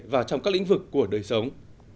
vào trong các lĩnh vực của đời sống